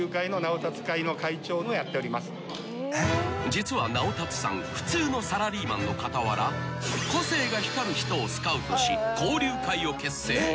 ［実は直達さん普通のサラリーマンの傍ら個性が光る人をスカウトし交流会を結成］